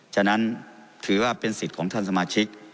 ฉะนั้นถือว่าเป็นสิทธิ์ของท่านสมาชิก